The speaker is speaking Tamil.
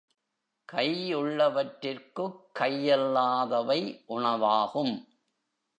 கையுள்ளவற்றிற்குக் கையில்லாதவை உணவாகும்.